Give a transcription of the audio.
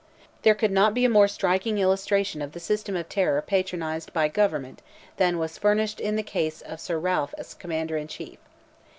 There could not be a more striking illustration of the system of terror patronized by government than was furnished in the case of Sir Ralph as Commander in Chief.